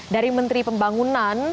dari menteri pembangunan